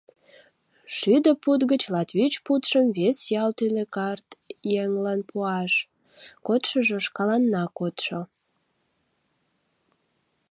Шӱдӧ пуд гыч латвич пудшым вес ял тӱлекарт еҥлан пуаш, кодшыжо шкаланна кодшо.